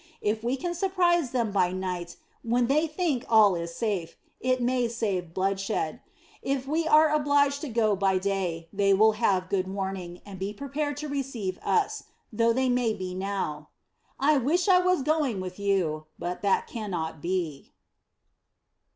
If we can surprise them by night, when they think all is safe, it may save bloodshed. If we are obliged to go by day, they will have good warning, and be prepared to receive us, though they may be now. I wish I was going with you, but that cannot be."